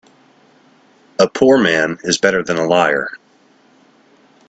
A poor man is better than a liar.